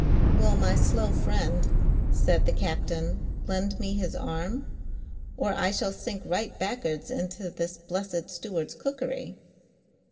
"Will my slow friend," said the captain, "lend me his arm, or I shall sink right back'ards into this blessed steward's cookery?